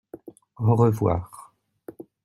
Au revoir !